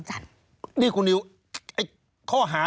ชีวิตกระมวลวิสิทธิ์สุภาณฑ์